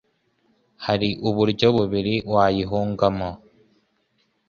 hari uburyo bubiri wayihungamo